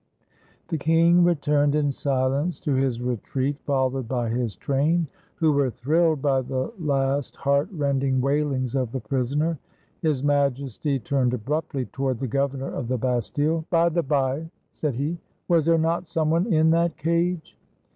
The king returned in silence to his retreat, followed by his train, who were thrilled by the last heart rending waihngs of the prisoner. His Majesty turned abruptly toward the governor of the Bastile. "By the bye," said he, "was there not some one in that cage?"